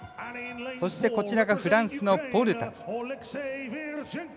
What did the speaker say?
そしてこちらがフランスのポルタル。